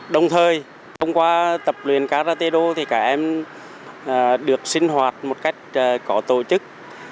đồng thời thông qua tập luyện karatedo thì các em được sinh hoạt một cách có tổ chức